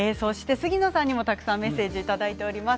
杉野さんにもたくさんメッセージいただいています。